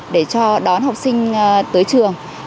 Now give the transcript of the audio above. để cho đón học sinh tới trường